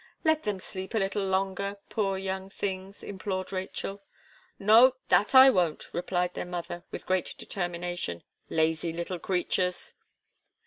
"Let them sleep a little longer, poor young things!" implored Rachel. "No, that I won't," replied her mother, with great determination, "lazy little creatures."